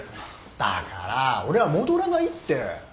だから俺は戻らないって。